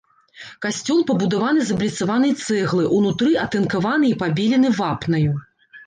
Касцёл пабудаваны з абліцаванай цэглы, унутры атынкаваны і пабелены вапнаю.